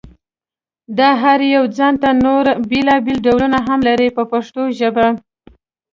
دا هر یو ځانته نور بېل بېل ډولونه هم لري په پښتو ژبه.